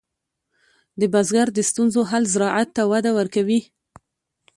د بزګر د ستونزو حل زراعت ته وده ورکوي.